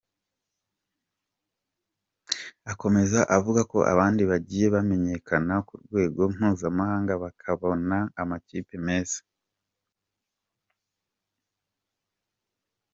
Akomeza avuga ko abandi bagiye bamenyekana ku rwego mpuzamahanga bakabona amakipe meza.